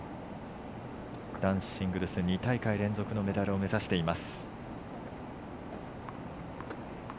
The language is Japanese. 男子シングルス２大会連続のメダルを目指しています。